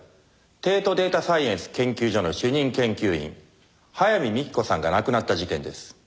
帝都データサイエンス研究所の主任研究員早見幹子さんが亡くなった事件です。